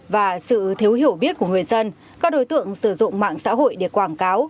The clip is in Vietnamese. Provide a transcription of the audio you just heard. và sự thiếu hiểu biết của người dân các đối tượng sử dụng mạng xã hội để quảng cáo